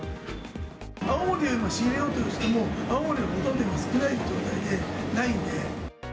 青森のものを仕入れようとしても、青森のホタテが少ない状態で、ないんで。